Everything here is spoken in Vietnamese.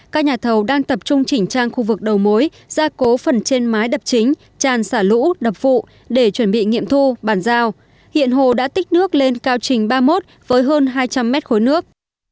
các nhà thầu đang tập trung chỉnh trang khu vực đầu mối gia cố phần trên mái đập chính tràn xả lũ đập phụ để chuẩn bị nghiệm thu bàn giao hiện hồ đã tích nước lên cao trình ba mươi một với hơn hai trăm linh mét khối nước